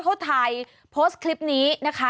เขาถ่ายโพสต์คลิปนี้นะคะ